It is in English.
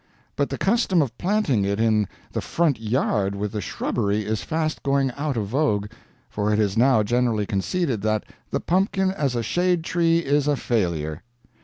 But the custom of planting it in the front yard with the shrubbery is fast going out of vogue, for it is now generally conceded that, the pumpkin as a shade tree is a failure.